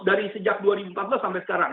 dari sejak dua ribu empat belas sampai sekarang